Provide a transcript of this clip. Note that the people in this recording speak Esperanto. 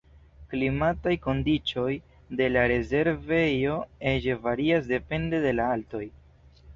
Klimataj kondiĉoj de la rezervejo ege varias depende de la altoj.